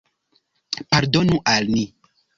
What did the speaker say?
Pardonu al ni!